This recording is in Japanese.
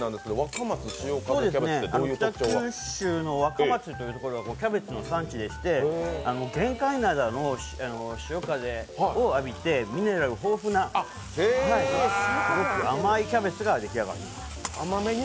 北九州の若松というところがキャベツの産地でして玄界灘の潮風を浴びてミネラル豊富な、すごく甘いキャベツです。